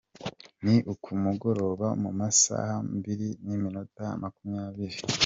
Ni ku mugoroba mu ma saa mbiri n’iminota makumyabiri.